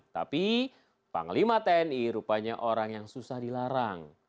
tapi panglima tni rupanya orang yang susah dilarang